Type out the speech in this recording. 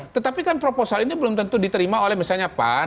tetapi kan proposal ini belum tentu diterima oleh misalnya pan